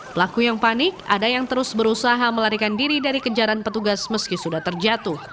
pelaku yang panik ada yang terus berusaha melarikan diri dari kejaran petugas meski sudah terjatuh